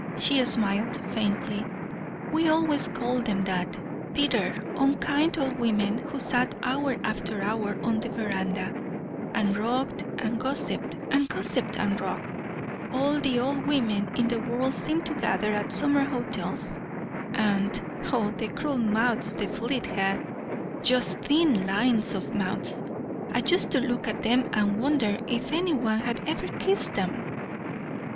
She smiled faintly. "We always called them that. Bitter, unkind old women who sat hour after hour on the veranda, and rocked and gossiped, and gossiped and rocked. All the old women in the world seem to gather at summer hotels. And, oh, the cruel mouths the fleet had just thin lines of mouths I used to look at them and wonder if any one had ever kissed them."